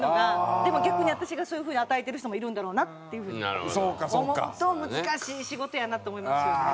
でも逆に私がそういう風に与えてる人もいるんだろうなっていう風に思うと難しい仕事やなと思いますよね。